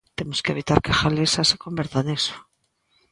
Temos que evitar que Galiza se converta niso.